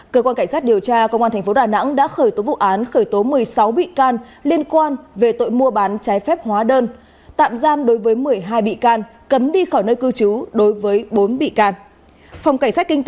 cơ quan cảnh sát điều tra công an tp đà nẵng đã khởi tố vụ án khởi tố một mươi sáu bị can liên quan về tội mua bán trái phép hóa đơn tạm giam đối với một mươi hai bị can cấm đi khỏi nơi cư trú đối với bốn bị can